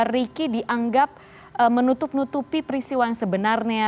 riki dianggap menutup nutupi peristiwa yang sebenarnya